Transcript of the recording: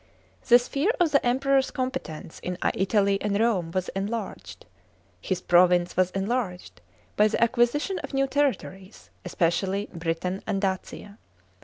(2) The sphere of the Emperor's competence in Italy and Rome was enlarged. (3) His " province" was enlarged, by the acquisition of new territories, especially Biitain and Dacia.